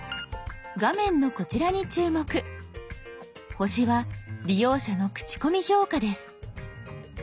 「星」は利用者の口コミ評価です。